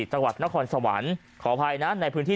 จังหวัดนคอนสะหวัญขออภัยนะในพื้นที่